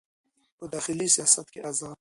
په داخلي سیاست کې ازاد